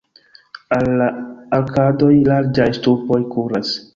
Al la arkadoj larĝaj ŝtupoj kuras.